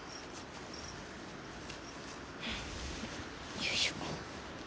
よいしょ。